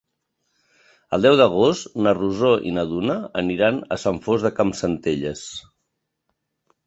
El deu d'agost na Rosó i na Duna aniran a Sant Fost de Campsentelles.